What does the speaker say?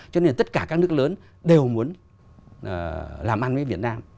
cho nên tất cả các nước lớn đều muốn làm ăn với việt nam